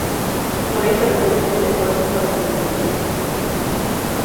Por ello, se recomienda emplear guantes para su manipulación.